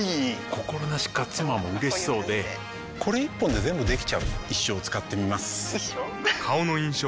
心なしか妻も嬉しそうでこれ一本で全部できちゃう一生使ってみます一生？